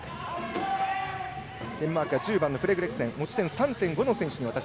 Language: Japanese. デンマーク、１０番のフレズレクセン持ち点３．５の選手。